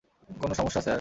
কোনও সমস্যা, স্যার?